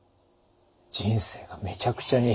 人生がめちゃくちゃに。